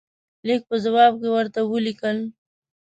لیک په جواب کې ورته ولیکل.